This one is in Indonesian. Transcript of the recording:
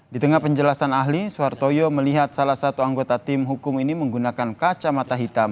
di tengah penjelasan ahli soehartoyo melihat salah satu anggota tim hukum ini menggunakan kacamata hitam